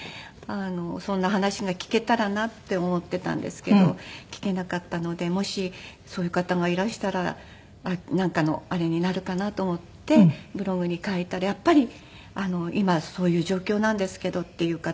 そんな話が聞けたらなって思っていたんですけど聞けなかったのでもしそういう方がいらしたらなんかのあれになるかなと思ってブログに書いたらやっぱり今そういう状況なんですけどっていう方がいて。